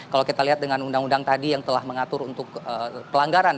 kalau kita lihat dengan undang undang tadi yang telah mengatur untuk pelanggaran